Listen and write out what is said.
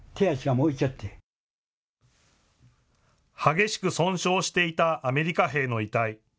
激しく損傷していたアメリカ兵の遺体。